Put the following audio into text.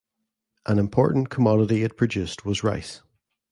An important commodity it produced was rice.